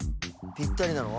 ぴったりなの？